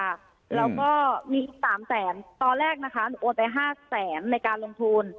แล้วก็มี๓แสนตอนแรกนะคะหนูโอนไป๕แสนในการลงทุน